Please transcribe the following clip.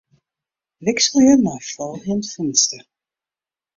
Wikselje nei folgjend finster.